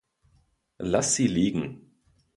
Lass sie liegen.